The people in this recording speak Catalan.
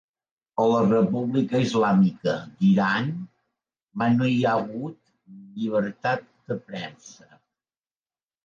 A la República Islàmica d'Iran mai no hi ha hagut llibertat de premsa.